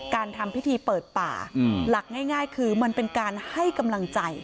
ทำพิธีเปิดป่าหลักง่ายคือมันเป็นการให้กำลังใจ